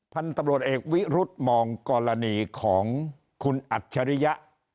ท่านตำรวจเอกวิรุธมองกรณีของคุณอัชริยะ